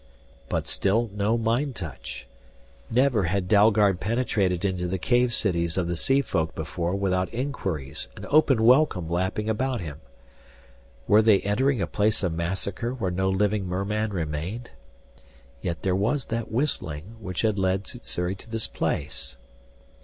But still no mind touch! Never had Dalgard penetrated into the cave cities of the sea folk before without inquiries and open welcome lapping about him. Were they entering a place of massacre where no living merman remained? Yet there was that whistling which had led Sssuri to this place....